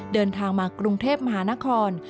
เดินทางมากรุงเทพมหานคร